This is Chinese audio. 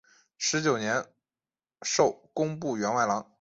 十九年授工部员外郎。